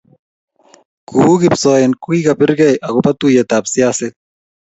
ku kipsoen kogigagibirgei agoba tuiyetab siaset